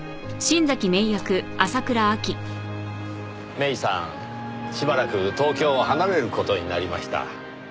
芽依さんしばらく東京を離れる事になりました。